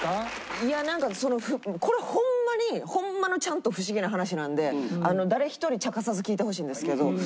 いやなんかそのこれホンマにホンマのちゃんとフシギな話なんで誰一人ちゃかさず聞いてほしいんですけど。